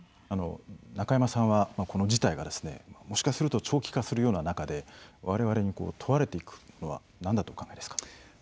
中山さんは、この事態がもしかすると長期化するような中で我々に問われていくのはなんだとお考えですか？